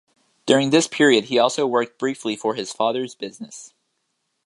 During this period, he also worked briefly for his father's business.